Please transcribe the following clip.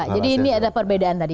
jadi ini ada perbedaan tadi